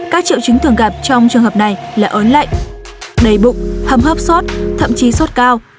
các triệu chứng thường gặp trong trường hợp này là ớn lạnh đầy bụng hâm hấp sốt thậm chí sốt cao